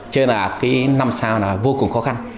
cho nên là cái năm sao là vô cùng khó khăn